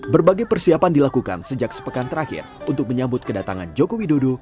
berbagai persiapan dilakukan sejak sepekan terakhir untuk menyambut kedatangan joko widodo